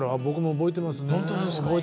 覚えてます。